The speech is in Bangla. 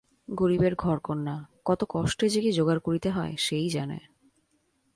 গরিবের ঘরকন্না, কত কষ্টে যে কি জোগাড় করিতে হয় সে-ই জানে।